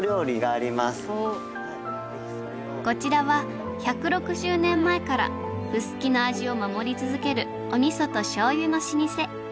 こちらは１６０年前から臼杵の味を守り続けるお味噌と醤油の老舗。